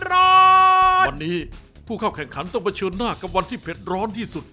เดี๋ยวตอนนี้พวกแข่งขันต้องมาเชิดหน้ากับวันที่เผ็ดร้อนที่สุด